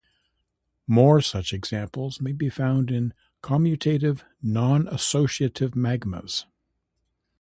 More such examples may be found in Commutative non-associative magmas.